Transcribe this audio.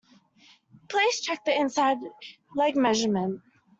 Please check the inside leg measurement